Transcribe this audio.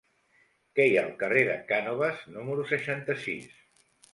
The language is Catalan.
Què hi ha al carrer de Cànoves número seixanta-sis?